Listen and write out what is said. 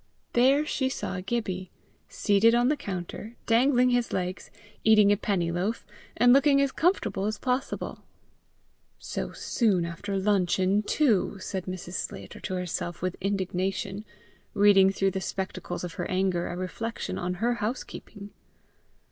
There she saw Gibbie, seated on the counter, dangling his legs, eating a penny loaf, and looking as comfortable as possible. "So soon after luncheon, too!" said Mrs. Sclater to herself with indignation, reading through the spectacles of her anger a reflection on her housekeeping.